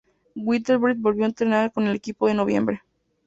Whitbread volvió a entrenar con el equipo en noviembre.